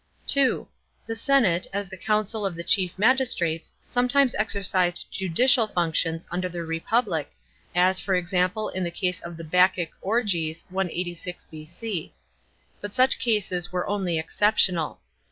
(2) The senate, as the council of the chief magistrates, sometimes exercised judicial functions under the Republic, as for example in the case of the Bacchic orgies (186 B.C.). But such cases were only exceptional.